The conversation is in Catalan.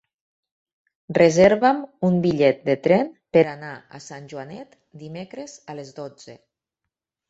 Reserva'm un bitllet de tren per anar a Sant Joanet dimecres a les dotze.